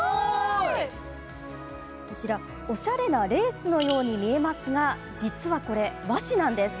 おしゃれなレースのように見えますが実はこれ、和紙なんです。